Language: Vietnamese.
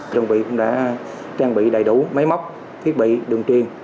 chuẩn bị cũng đã trang bị đầy đủ máy móc thiết bị đường truyền